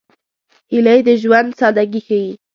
هیلۍ د ژوند سادګي ښيي